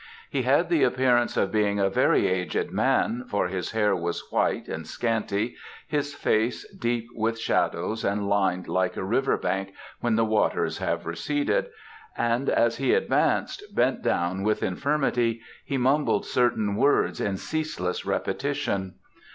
He had the appearance of being a very aged man, for his hair was white and scanty, his face deep with shadows and lined like a river bank when the waters have receded, and as he advanced, bent down with infirmity, he mumbled certain words in ceaseless repetition.